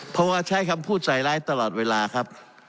เพราะว่าใช้คำพูดใส่ร้ายตลอดเวลาครับ